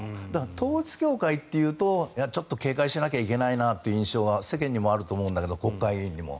統一教会というとちょっと警戒しなければいけないなって印象は世間にもあると思うんだけど国会議員にも。